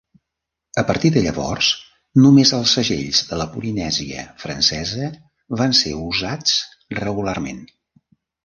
A partir de llavors només els segells de la Polinèsia Francesa van ser usats regularment.